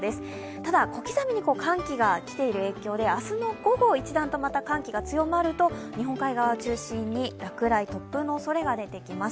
ただ、小刻みに寒気が来ている影響で明日の午後一段と寒気が強まると日本海側を中心に落雷、突風のおそれが出てきます。